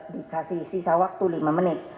dikasih sisa waktu lima menit